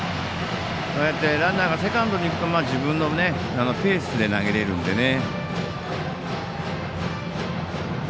ランナーがセカンドにいくと自分のペースで投げれるのでね。